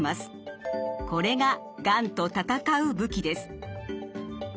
これががんと戦う武器です。